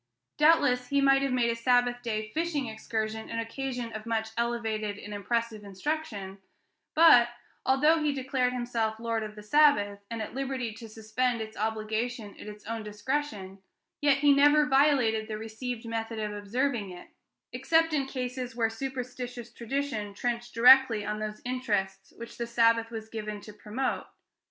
Doubtless he might have made a Sabbath day fishing excursion an occasion of much elevated and impressive instruction; but, although he declared himself 'Lord of the Sabbath day,' and at liberty to suspend its obligation at his own discretion, yet he never violated the received method of observing it, except in cases where superstitious tradition trenched directly on those interests which the Sabbath was given to promote.